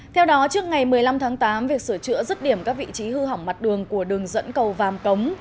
theo đó trước ngày một mươi năm tháng tám việc sửa chữa rứt điểm các vị trí hư hỏng mặt đường của đường dẫn cầu vàm cống